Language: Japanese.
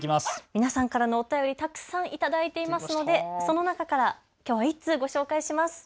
皆さんからのお便りたくさんいただいていますのでその中からきょうは１通ご紹介します。